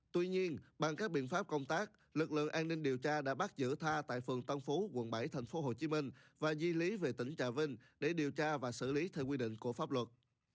tuy nhiên bằng các biện pháp công tác lực lượng an ninh điều tra đã bắt giữ tha tại phường tân phú quận bảy tp hcm và di lý về tỉnh trà vinh để điều tra và xử lý theo quy định của pháp luật